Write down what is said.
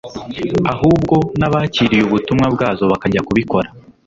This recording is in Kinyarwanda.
ahubwo n'abakiriye ubutumwa bwazo bajyaga kubikora.